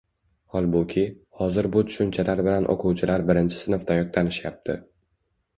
Holbuki, hozir bu tushunchalar bilan o‘quvchilar birinchi sinfdayoq tanishyapti.